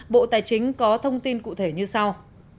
bộ tài chính có thông tin cụ thể như sau